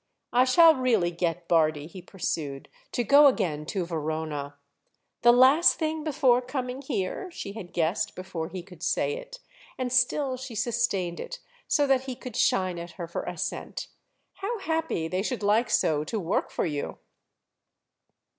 I shall really get Bardi," he pursued, "to go again to Verona——" "The last thing before coming here?"—she had guessed before he could say it; and still she sustained it, so that he could shine at her for assent. "How happy they should like so to work for you!"